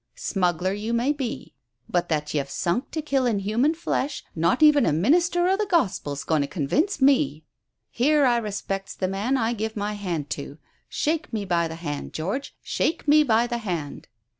Smuggler you may be, but that you've sunk to killin' human flesh not even a minister o' the Gospel's goin' to convince me. Here, I respects the man I give my hand to. Shake me by the hand, George shake me by the hand."